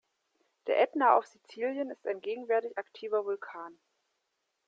Der Ätna auf Sizilien ist ein gegenwärtig aktiver Vulkan.